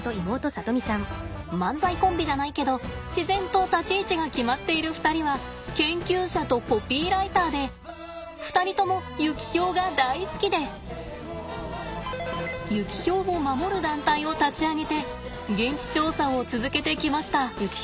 漫才コンビじゃないけど自然と立ち位置が決まっている２人は研究者とコピーライターで２人ともユキヒョウが大好きでユキヒョウを守る団体を立ち上げて現地調査を続けてきました。